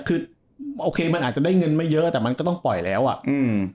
คือโอเคมันอาจจะได้เงินไม่เยอะแต่มันก็ต้องปล่อยแล้วอ่ะอืม